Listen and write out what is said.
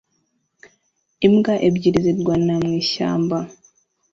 Imbwa ebyiri zirwanira mwishyamba